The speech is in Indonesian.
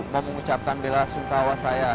mau mengucapkan bella suntawa saya